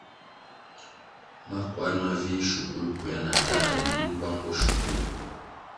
Makwar mavih, shukul kwea na tahre linʼ bwang bo shukul.